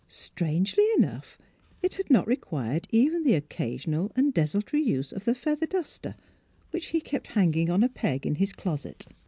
Strangely enough it had not required even the occasional and desultory use of the feather duster, which he kept hanging on a peg in his closet.